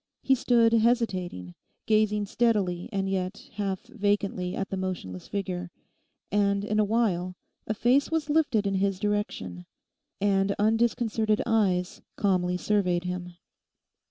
He stood hesitating, gazing steadily and yet half vacantly at the motionless figure, and in a while a face was lifted in his direction, and undisconcerted eyes calmly surveyed him.